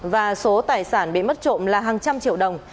và số tài sản bị mất trộm là hàng trăm triệu đồng